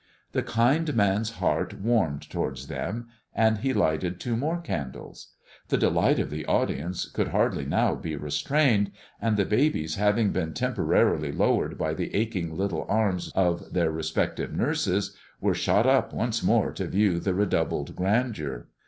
The kind man's heart warmed towards them, and he lighted two more candles. The delight of the audience could now hardly be restrained, and the babies, having been temporarily lowered by the aching little arms of their respective nurses, were shot up once more to view the redoubled grandeur.